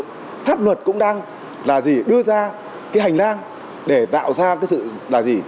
vì vậy pháp luật cũng đang đưa ra hành lang để tạo ra sự hư hưởng